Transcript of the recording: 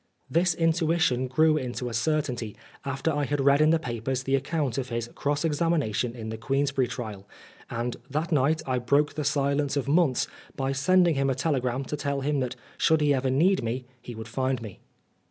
This intuition grew into a certainty after I had read in the papers the account of his cross examination in the Queensberry trial, and that night I broke the silence of months by sending him a telegram to tell him that should he ever need me he would find me.